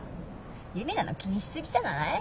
ユリナの気にしすぎじゃない？